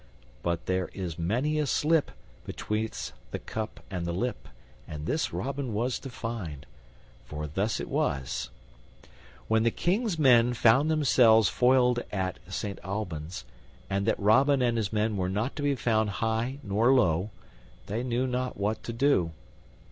But there is many a slip betwixt the cup and the lip, and this Robin was to find. For thus it was: When the King's men found themselves foiled at Saint Albans, and that Robin and his men were not to be found high nor low, they knew not what to do.